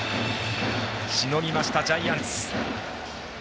しのぎました、ジャイアンツ。